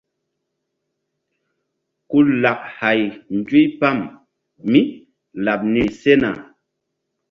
Ku lak hay nzuypam mí laɓ niri sena.